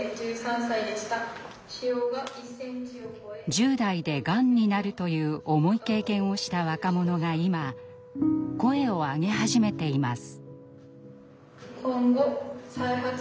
１０代でがんになるという重い経験をした若者が今声を上げ始めています。